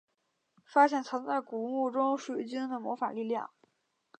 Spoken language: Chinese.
发现藏在古墓中水晶的魔法力量。